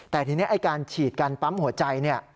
แต่ทีนี้การฉีดการปั๊มหัวใจ